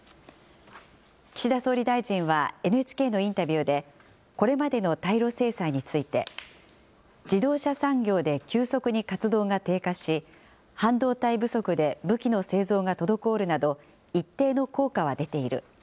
岸田総理大臣は、ＮＨＫのインタビューで、これまでの対ロ制裁について、自動車産業で急速に活動が低下し、半導体不足で武器の製造が滞るなど、一定の効果は出ている。